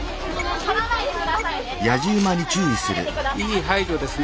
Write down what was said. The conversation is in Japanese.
いい配慮ですね。